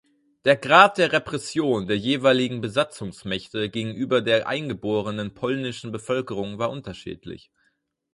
Der Grad der Repression der jeweiligen Besatzungsmächte gegenüber der eingeborenen polnischen Bevölkerung war unterschiedlich.